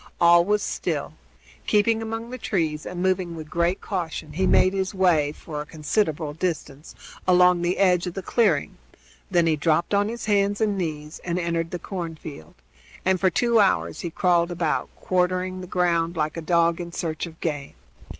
All was still. Keeping among the trees and moving with great caution, he made his way, for a considerable distance, along the edge of the clearing; then he dropped on his hands and knees and entered the cornfield, and for two hours he crawled about, quartering the ground like a dog in search of game.